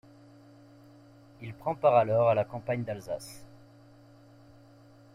Il prend part alors à la campagne d'Alsace.